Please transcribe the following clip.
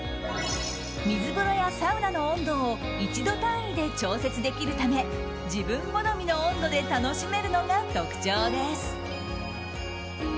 水風呂やサウナの温度を１度単位で調節できるため自分好みの温度で楽しめるのが特徴です。